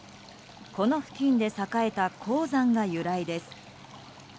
この付近で栄えた鉱山が由来です。